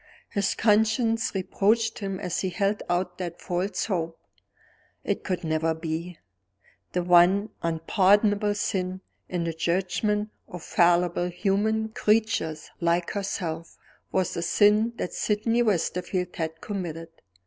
His conscience reproached him as he held out that false hope. It could never be! The one unpardonable sin, in the judgment of fallible human creatures like herself, was the sin that Sydney Westerfield had committed.